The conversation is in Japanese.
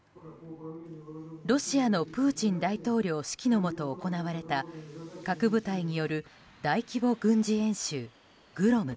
ロシアのプーチン大統領指揮のもと行われた核部隊による大規模軍事演習グロム。